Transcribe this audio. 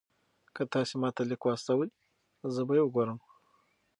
که تاسي ما ته لینک واستوئ زه به یې وګورم.